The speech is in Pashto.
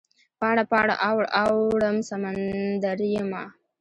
پاڼه، پاڼه اوړم سمندریمه